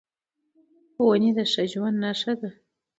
ونې د ژوند نښه ده.